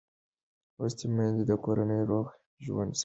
لوستې میندې د کورنۍ روغ ژوند ساتي.